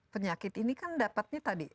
penyakit ini kan dapatnya tadi